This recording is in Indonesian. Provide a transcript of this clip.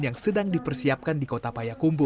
yang sedang dipersiapkan di kota payakumbu